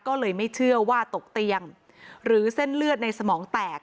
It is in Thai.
ก็เลยไม่เชื่อว่าตกเตียงหรือเส้นเลือดในสมองแตก